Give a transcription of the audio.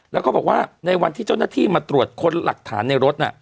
แล้วก็บอกว่าในวันที่เจ้าหน้าที่มาตรวจค้นหลักฐานในรถน่ะ